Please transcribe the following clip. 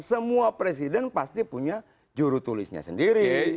semua presiden pasti punya jurutulisnya sendiri